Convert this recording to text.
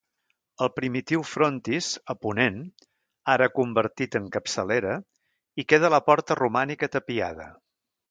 Al primitiu frontis, a ponent, ara convertit en capçalera, hi queda la porta romànica tapiada.